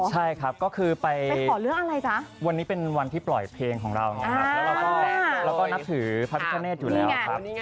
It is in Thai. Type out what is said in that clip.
ใช่ครับก็คือไปวันนี้เป็นวันที่ปล่อยเพลงของเราแล้วก็นับถือพระพิกาเนธอยู่แล้วครับ